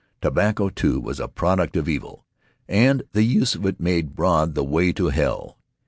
Tobacco, too, was a product of evil, and the use of it made broad the way to hell.